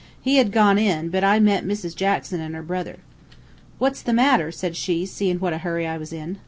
He had gone in, but I met Mrs. Jackson an' her brother. "'What's the matter?' said she, seein' what a hurry I was in.